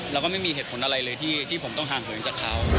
เราก็ไม่มีเหตุผลอะไรเลยที่ผมต้องห่างเหินจากเขา